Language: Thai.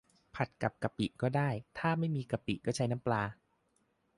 ผัดกับกะปิก็ได้ ถ้าไม่มีกะปิก็ใช้น้ำปลา